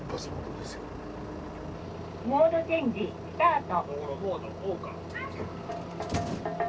「モードチェンジスタート」。